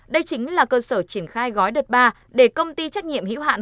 đây chính là cơ sở triển khai gói đợt ba để công ty trách nhiệm hữu hạn